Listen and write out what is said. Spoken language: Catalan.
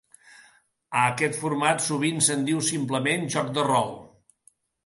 A aquest format sovint se'n diu simplement "joc de rol".